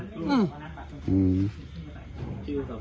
อืม